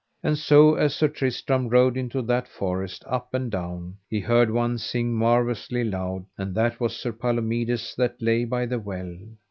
And so as Sir Tristram rode into that forest up and down, he heard one sing marvellously loud, and that was Sir Palomides that lay by the well.